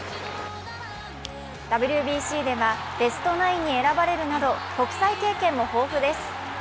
ＷＢＣではベストナインに選ばれるなど国際経験も豊富です。